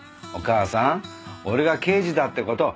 お母さん俺が刑事だって事